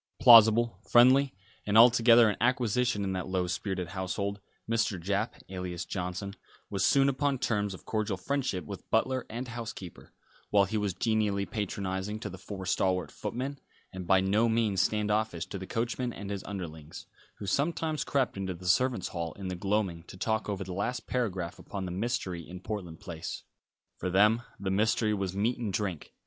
Plausible, friendly, and altogether an acquisition in that low spirited household, Mr. Japp, alias Johnson, was soon upon terms of cordial friendship with butler and housekeeper, while he was genially patronising to the four stalwart footmen, and by no means stand offish to the coachman and his underlings, who sometimes crept into the servants' hall in the gloaming to talk over the last paragraph upon the mystery in Portland Place. For them the mystery was meat and drink.